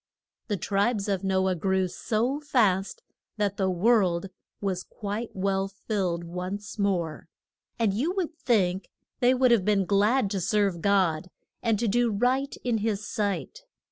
The tribes of No ah grew so fast that the world was quite well filled once more. [Illustration: NO AH'S SAC RI FICE.] And you would think they would have been glad to serve God, and to do right in his sight.